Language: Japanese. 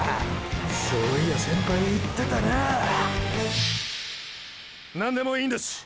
そういや先輩言ってたなーー何でもいいんです！